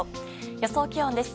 予想気温です。